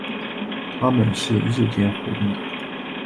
它们是日间活动的。